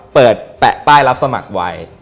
แปะป้ายรับสมัครไว้